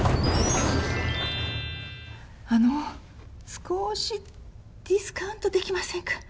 あの少しディスカウントできませんか？